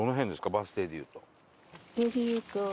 バス停で言うと。